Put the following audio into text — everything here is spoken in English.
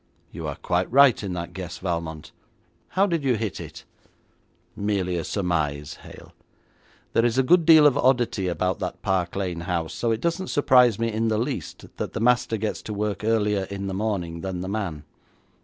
'You are quite right in that guess, Valmont. How did you hit it?' 'Merely a surmise, Hale. There is a good deal of oddity about that Park Lane house, so it doesn't surprise me in the least that the master gets to work earlier in the morning than the man.